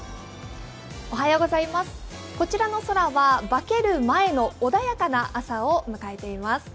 こちらの空は化ける前の穏やかな朝を迎えています。